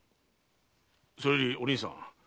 それよりお凛さん。